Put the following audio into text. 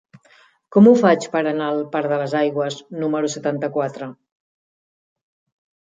Com ho faig per anar al parc de les Aigües número setanta-quatre?